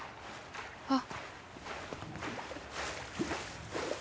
あっ。